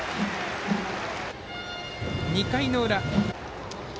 ２回の裏。